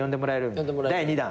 第２弾。